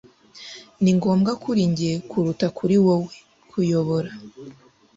Ni ngombwa kuri njye kuruta kuri wewe. (_kuyobora)